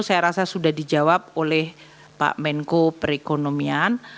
saya rasa sudah dijawab oleh pak menko perekonomian